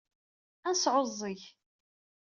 Ad nesɛuẓẓeg.